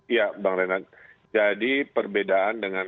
ya bang renat jadi perbedaan dengan dua ribu dua puluh